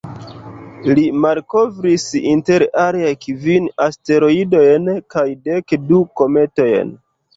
Li malkovris inter aliaj kvin asteroidojn kaj dek du kometojn.